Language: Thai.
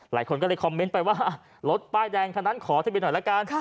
หลายคนก็เลยคอมเมนต์ไปว่ารถป้ายแดงทางนั้นขอทะเบียนหน่อยละกัน